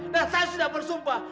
dan saya sudah bersumpah